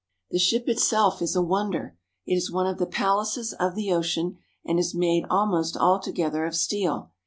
The ship itself is a wonder. It is one of the palaces of the ocean, and is made almost altogether of steel.